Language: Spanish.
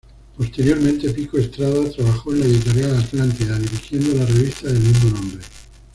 Posteriormente Pico Estrada trabajó en la Editorial Atlántida dirigiendo la revista del mismo nombre.